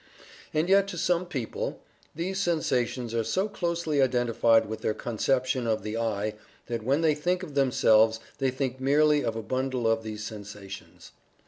And yet, to some people, these sensations are so closely identified with their conception of the "I" that when they think of themselves they think merely of a bundle of these sensations.